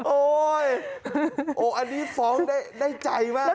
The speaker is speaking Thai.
โอ้ยโอ้ยอันนี้ฟ้องได้ใจมากเลย